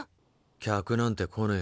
客なんて来ねえよ。